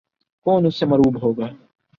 کون ان سے مرعوب ہوگا۔